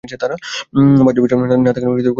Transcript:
বাহ্য বিষয় না থাকিলে কোন বাসনার সৃষ্টি হইতে পারে না।